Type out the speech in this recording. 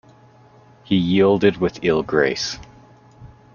He yielded with ill grace.